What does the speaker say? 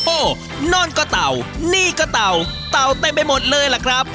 โอ้โหนั่นก็เต่านี่ก็เต่าเต่าเต็มไปหมดเลยล่ะครับ